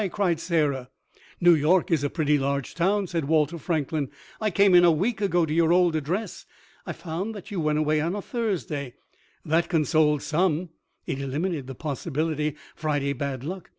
cried Sarah. "New York is a pretty large town," said Walter Franklin. "I came in a week ago to your old address. I found that you went away on a Thursday. That consoled some; it eliminated the possible Friday bad luck.